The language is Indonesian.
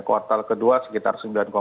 kuartal kedua sekitar sembilan tujuh